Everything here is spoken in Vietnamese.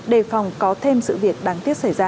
đề phòng có thêm sự việc đáng tiếc xảy ra